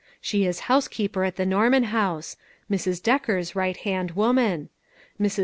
She is housekeeper at the Norman House Mrs. Decker's right hand woman. Mrs.